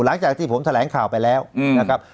หลังจากที่ผมแถลงข่าวไปแล้วนะครับ